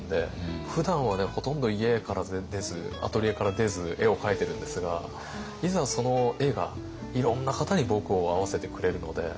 ふだんはねほとんど家から出ずアトリエから出ず絵を描いてるんですがいざその絵がいろんな方に僕を会わせてくれるので。